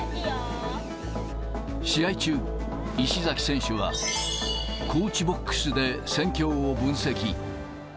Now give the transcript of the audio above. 試合中、石崎選手はコーチボックスで戦況を分析。